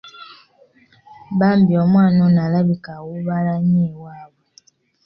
Bambi omwana ono alabika awuubaala nnyo ewaabwe.